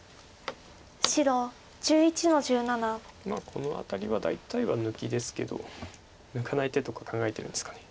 この辺りは大体は抜きですけど抜かない手とか考えてるんですかね。